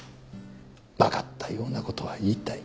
分かったようなことは言いたい。